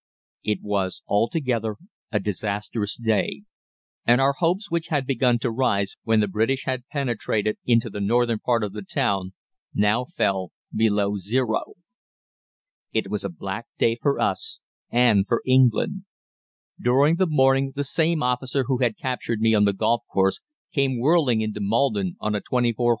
It was altogether a disastrous day, and our hopes, which had begun to rise when the British had penetrated into the northern part of the town, now fell below zero. "It was a black day for us, and for England. During the morning the same officer who had captured me on the golf course came whirling into Maldon on a 24 h.